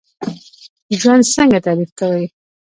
ژوند څنګه تعریف کوئ؟